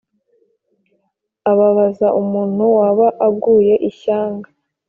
ababaza umuntu waba aguye ishyanga